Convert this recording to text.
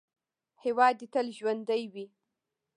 هیواد دې تل ژوندی وي.